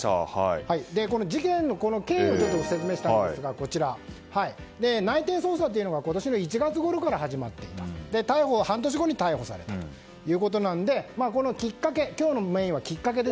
事件の経緯を説明したいんですが内偵捜査というが今年の１月ごろから始まっていて、半年後に逮捕されたということなので今日のメインはきっかけ。